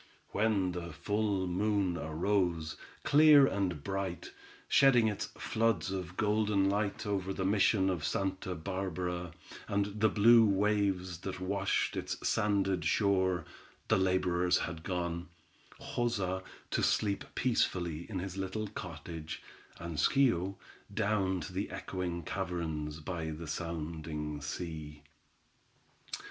When the full moon arose, clear and bright, shedding its floods of golden light over the mission of Santa Barbara, and the blue waves that washed its sanded shore, the laborers had gone—Joza, to sleep peacefully in his little cottage, and Schio, down to the echoing caverns by the sounding sea.